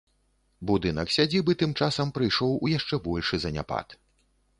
Будынак сядзібы тым часам прыйшоў у яшчэ большы заняпад.